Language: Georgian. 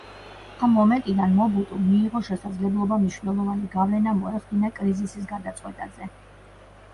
ამ მომენტიდან მობუტუმ მიიღო შესაძლებლობა მნიშვნელოვანი გავლენა მოეხდინა კრიზისის გადაწყვეტაზე.